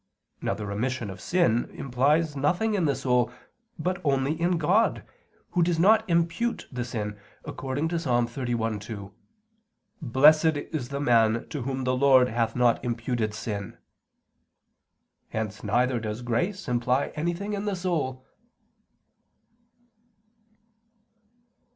Now the remission of sin implies nothing in the soul, but only in God, Who does not impute the sin, according to Ps. 31:2: "Blessed is the man to whom the Lord hath not imputed sin." Hence neither does grace imply anything in the soul.